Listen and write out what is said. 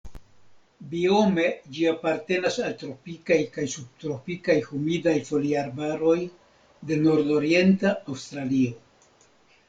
Biome ĝi apartenas al tropikaj kaj subtropikaj humidaj foliarbaroj de nordorienta Aŭstralio.